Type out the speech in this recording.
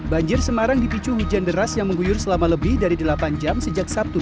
banjir semarang dipicu hujan deras yang mengguyur selama lebih dari delapan jam sejak sabtu